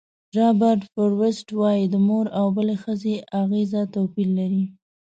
رابرټ فروسټ وایي د مور او بلې ښځې اغېزه توپیر لري.